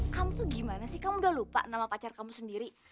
kamu tuh gimana sih kamu udah lupa nama pacar kamu sendiri